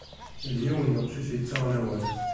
D yiwen n uqcic yettaɣen awal.